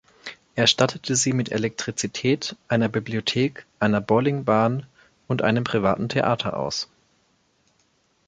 Er stattete sie mit Elektrizität, einer Bibliothek, einer Bowlingbahn und einem privaten Theater aus.